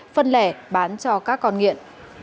phân lẻ bán cho các con nghiện